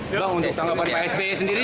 bang untuk tanggapan pak sp sendiri